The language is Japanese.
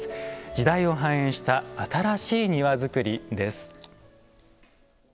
時代を反映した新しい庭造りです。